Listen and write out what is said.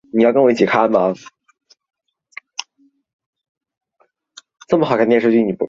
旋量场的狄拉克方程的解常被称为调和旋量。